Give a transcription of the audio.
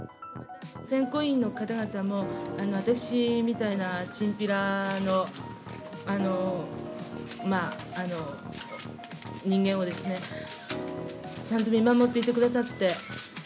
選考員の方々も私みたいなチンピラの人間をですね、ちゃんと見守っていてくださって。